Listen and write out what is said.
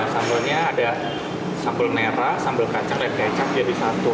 sambelnya ada sambel merah sambel kacang dan kecap jadi satu